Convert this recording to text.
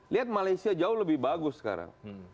lihat malaysia jauh lebih bagus sekarang